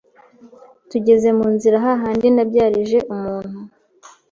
tugeze mu nzira hahandi nabyarije umuntu